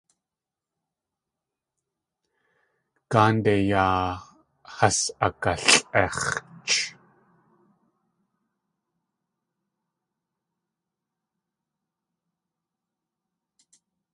Gáande yaa has agalʼéx̲ch.